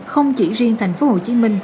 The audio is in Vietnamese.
không chỉ riêng tp hcm